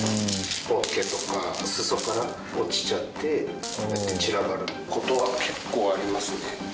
ポッケとか裾から落ちちゃってこうやって散らばる事は結構ありますね。